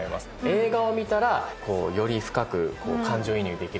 映画を見たらより深く感情移入できるという。